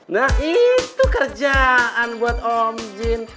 nah itu kerjaan buat omzin